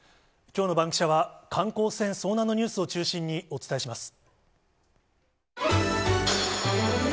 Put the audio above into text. きょうのバンキシャは、観光船遭難のニュースを中心にお伝えします。